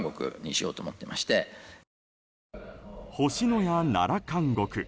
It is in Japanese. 星のや奈良監獄。